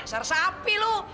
ser sapi lu